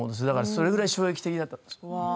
それくらい衝撃的だったんです